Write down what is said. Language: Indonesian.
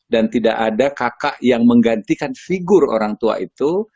dan tidak ada kakak yang menggantikan figur orang tua itu